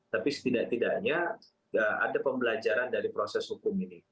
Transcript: tapi setidak tidaknya ada pembelajaran dari proses hukum ini